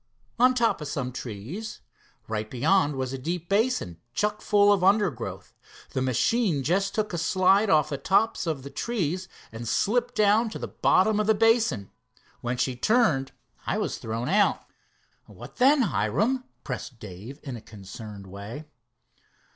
"On top of some trees. Right beyond was a deep basin, chuck full of undergrowth. The machine just took a slide off the tops of the trees, and slipped down to the bottom of the basin. Then she turned, I was thrown out." "What then, Hiram?" pressed Dave in a concerned way.